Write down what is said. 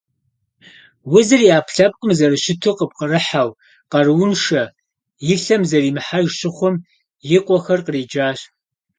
Узыр и ӏэпкълъэпкъым зэрыщыту къыпкърыхьэу, къарууншэ, и лъэм зэримыхьэж щыхъум, и къуэхэр къриджащ.